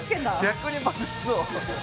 逆にバズりそう。